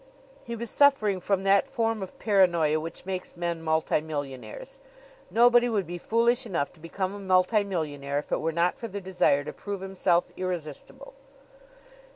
He was suffering from that form of paranoia which makes men multimillionaires. Nobody would be foolish enough to become a multimillionaire if it were not for the desire to prove himself irresistible.